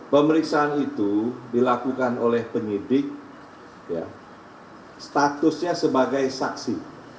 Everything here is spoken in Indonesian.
pemeriksaan itu dilakukan oleh penyidik statusnya sebagai saksi